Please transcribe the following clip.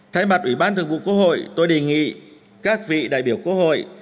thay mặt ủy ban thường vụ quốc hội tôi đề nghị các vị đại biểu quốc hội